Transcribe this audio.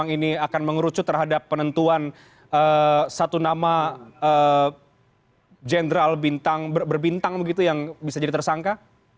apakah ini akan mengerutuk terhadap penentuan satu nama jenderal berbintang yang bisa jadi tersangka